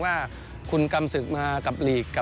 ว่าคุณกำศึกมากับลีก